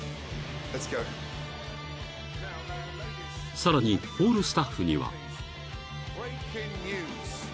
［さらにホールスタッフには］